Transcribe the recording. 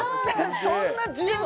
そんな自由なの？